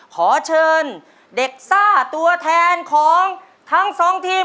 ขอเชิญเด็กซ่าตัวแทนของทั้งสองทีม